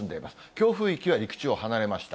強風域は陸地を離れました。